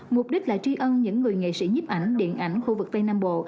mục đích là truy ân những người nghệ sĩ nhíp ảnh điện ảnh khu vực tây nam bộ